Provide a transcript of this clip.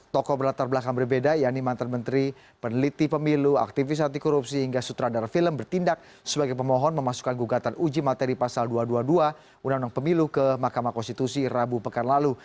tokoh berlatar belakang berbeda yaitu mantan menteri peneliti pemilu aktivis anti korupsi hingga sutradara film bertindak sebagai pemohon memasukkan gugatan uji materi pasal dua ratus dua puluh dua undang undang pemilu ke mahkamah konstitusi rabu pekan lalu